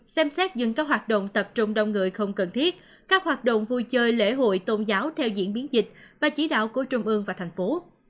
xem xét dừng các hoạt động tập trung đông người không cần thiết các hoạt động vui chơi lễ hội tôn giáo theo diễn biến dịch và chỉ đạo của trung ương và thành phố